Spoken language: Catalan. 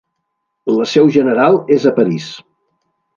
La seu general és a París.